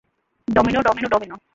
Domino, domino, domino.